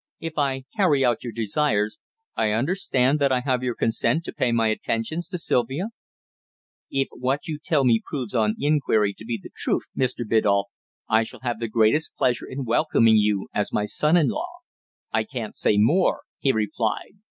"If I carry out your desires, I understand that I have your consent to pay my attentions to Sylvia?" "If what you tell me proves, on inquiry, to be the truth, Mr. Biddulph, I shall have the greatest pleasure in welcoming you as my son in law. I can't say more," he replied.